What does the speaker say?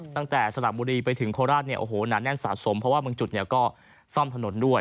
ตั้งแต่สนามบุรีไปถึงโคราชหนานแน่นสะสมเพราะว่าบางจุดก็ซ่อมถนนด้วย